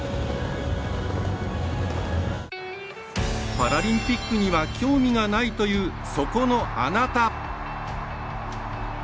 パラリンピックには興味がないという、そこのあなた。